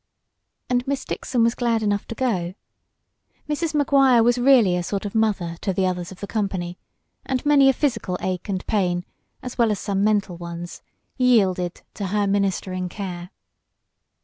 And Miss Dixon was glad enough to go. Mrs. Maguire was really a sort of "mother" to the others of the company, and many a physical ache and pain, as well as some mental ones, yielded to her ministering care.